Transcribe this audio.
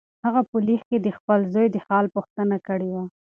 هغه په لیک کې د خپل زوی د حال پوښتنه کړې وه.